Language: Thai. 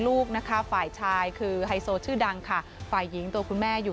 ลูกนะคะฝ่ายชายคือไฮโซชื่อดังค่ะฝ่ายหญิงตัวคุณแม่อยู่